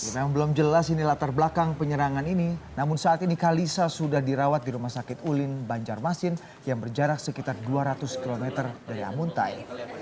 memang belum jelas ini latar belakang penyerangan ini namun saat ini kalisa sudah dirawat di rumah sakit ulin banjarmasin yang berjarak sekitar dua ratus km dari amuntai